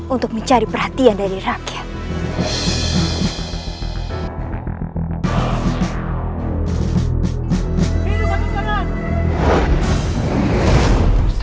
untuk mencari perhatian dari rakyat